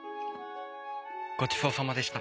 ごちそうさまでした。